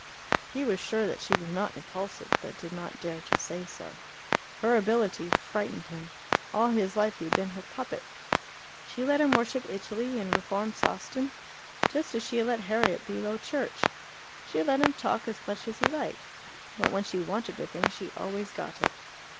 He was sure that she was not impulsive, but did not dare to say so. Her ability frightened him. All his life he had been her puppet. She let him worship Italy, and reform Sawston just as she had let Harriet be Low Church. She had let him talk as much as he liked. But when she wanted a thing she always got it.